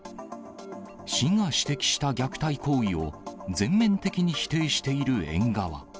市が指摘した虐待行為を全面的に否定している園側。